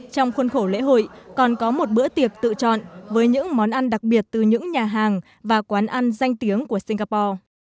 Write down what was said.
trong khuôn khổ lễ hội còn có một bữa tiệc tự chọn với những món ăn đặc biệt từ những nhà hàng và quán ăn danh tiếng của singapore